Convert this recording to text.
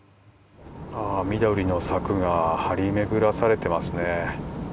緑の柵が張り巡らされていますね。